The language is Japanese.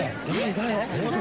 誰？